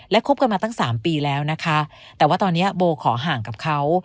คบกันมาตั้งสามปีแล้วนะคะแต่ว่าตอนนี้โบขอห่างกับเขา